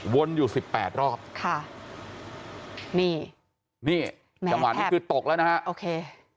อยู่สิบแปดรอบค่ะนี่นี่จังหวะนี้คือตกแล้วนะฮะโอเค